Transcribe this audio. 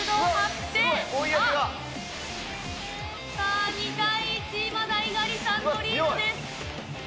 さあ、２対１、まだ猪狩さんのリードです。